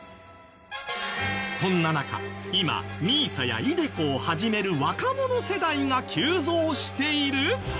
そんな中今ＮＩＳＡやｉＤｅＣｏを始める若者世代が急増している！？